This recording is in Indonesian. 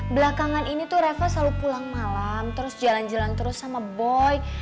belakangan ini tuh reva selalu pulang malam terus jalan jalan terus sama boy